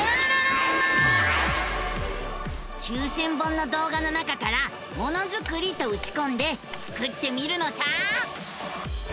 ９，０００本の動画の中から「ものづくり」とうちこんでスクってみるのさ！